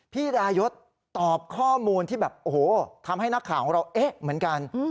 พี่ดายศตอบข้อมูลที่แบบโอ้โหทำให้นักข่าวของเราเอ๊ะเหมือนกัน